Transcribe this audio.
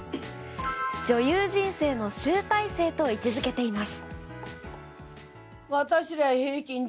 女優人生の集大成と位置付けています。